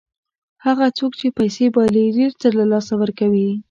هغه څوک چې پیسې بایلي ډېر څه له لاسه ورکوي.